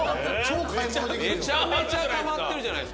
めちゃめちゃたまってるじゃないですか。